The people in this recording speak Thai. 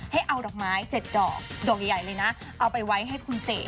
ให้เอาดอกไม้๗ดอกดอกใหญ่เลยนะเอาไปไว้ให้คุณเสก